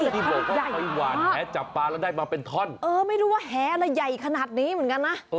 ที่บอกว่าไปหวานแหจับปลาแล้วได้มาเป็นท่อนเออไม่รู้ว่าแหอะไรใหญ่ขนาดนี้เหมือนกันนะ